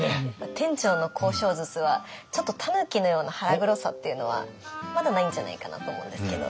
店長の交渉術はちょっとたぬきのような腹黒さっていうのはまだないんじゃないかなと思うんですけど。